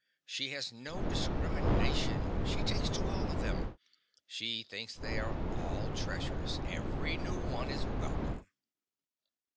She has no discrimination, she takes to all of them, she thinks they are all treasures, every new one is welcome.